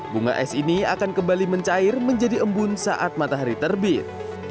bunga es ini akan kembali mencair menjadi embun saat matahari terbit